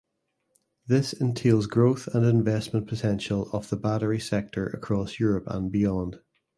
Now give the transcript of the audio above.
This entails growth and investment potential of the battery sector across Europe and beyond.